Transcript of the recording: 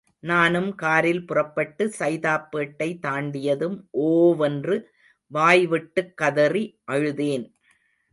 நானும் காரில் புறப்பட்டு சைதாப்பேட்டை தாண்டியதும் ஓ வென்று வாய்விட்டுக்கதறி அழுதேன்.